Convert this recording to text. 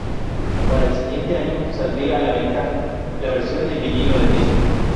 Para el siguiente año saldría a la venta la versión en vinilo del disco.